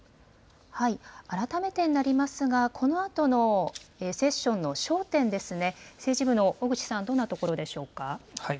改めてになりますが、このあとのセッションの焦点ですね、政治部の小口さん、どんなところでしょうか。